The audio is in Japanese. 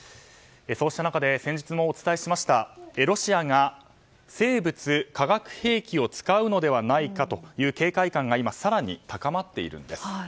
そうした中先日もお伝えしましたロシアが生物・化学兵器を使うのではないかという警戒感が更に高まっているんです。